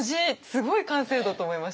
すごい完成度と思いました。